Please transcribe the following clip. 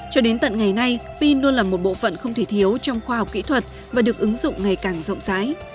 cho đến tận ngày nay pin luôn là một bộ phận không thể thiếu trong khoa học kỹ thuật và được ứng dụng ngày càng rộng rãi